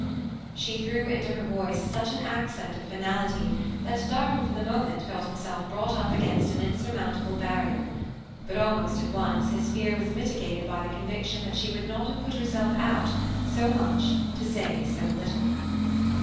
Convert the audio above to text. She threw into her voice such an accent of finality that Durham, for the moment, felt himself brought up against an insurmountable barrier; but, almost at once, his fear was mitigated by the conviction that she would not have put herself out so much to say so little.